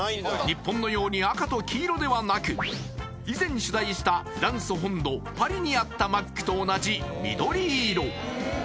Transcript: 日本のように赤と黄色ではなく以前取材したフランス本土パリにあったマックと同じ緑色